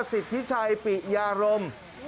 ศิษย์ทิชัยปิยารม